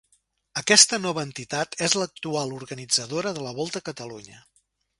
Aquesta nova entitat és l'actual organitzadora de la Volta a Catalunya.